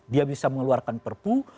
dia bisa mengeluarkan perpu